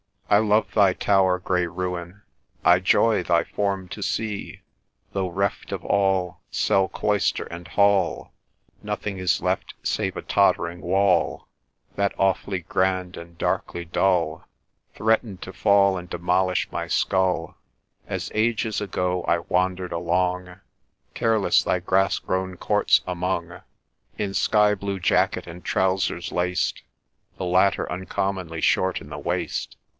] I love thy tower, Grey Ruin, I joy thy form to see, Though reft of all, Cell, cloister, and hall, Nothing is left save a tottering wall That, awfully grand and darkly dull, Threaten'd to fall and demolish my skull, As, ages ago, I wander'd along Careless thy grass grown courts among, In sky blue jacket, and trousers laced, The latter uncommonly short in the waist.